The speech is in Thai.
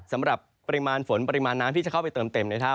สำหรับปริมาณฝนปริมาณน้ำที่จะเข้าไปเติมเต็มในถ้ำ